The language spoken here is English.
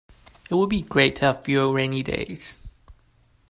It would be great to have fewer rainy days.